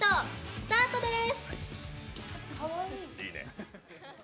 スタートです！